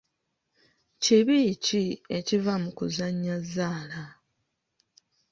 Kibi ki ekiva mu kuzannya zzaala?